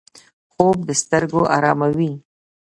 خوب د سترګو آراموي